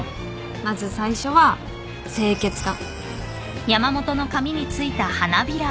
まず最初は清潔感。